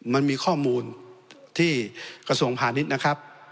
มันมีข้อมูลที่กระทรวงพาณิชย์นะครับ